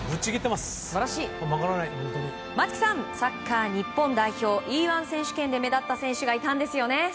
松木さん、サッカー日本代表Ｅ‐１選手権で目立った選手がいたんですよね。